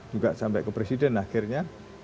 juga sampai ke presiden akhirnya